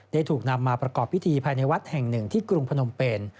ถูกนำมาประกอบพิธีภายในวัดแห่งหนึ่งที่กรุงพนมเป็น